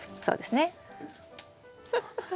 そうですね。